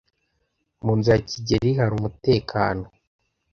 Mu nzu ya kigeli hari umutekano.